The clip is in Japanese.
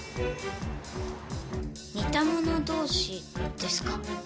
似た者同士ですか。